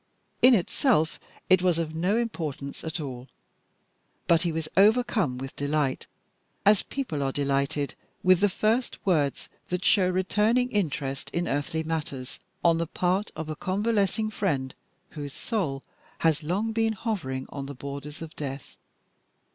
In itself it was of no importance at all, but he was overcome with delight, as people are delighted with the first words that show returning interest in earthly matters on the part of a convalescing friend whose soul has long been hovering on the borders of death.